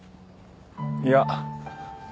いや。